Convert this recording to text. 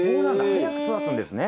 早く育つんですね。